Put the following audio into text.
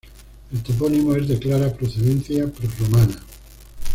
El topónimo es de clara procedencia prerromana.